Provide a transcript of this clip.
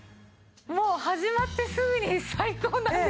もう始まってすぐに最高なんですけど。